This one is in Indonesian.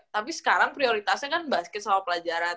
tapi sekarang prioritasnya kan basket sama pelajaran